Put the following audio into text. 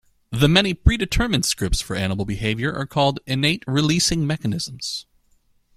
The many predetermined scripts for animal behavior are called innate releasing mechanisms.